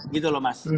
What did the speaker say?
gitu loh mas